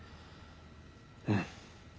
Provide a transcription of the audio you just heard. うん。